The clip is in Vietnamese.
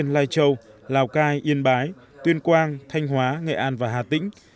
lai châu lào cai yên bái tuyên quang thanh hóa nghệ an và hà tĩnh